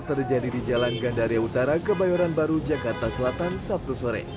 terjadi di jalan gandaria utara kebayoran baru jakarta selatan sabtu sore